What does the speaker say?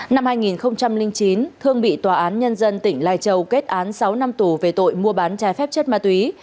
năm hai nghìn chín thương bị tòa án nhân dân tỉnh lai châu kết án sáu năm tù về tội mua bán trái phép chất ma túy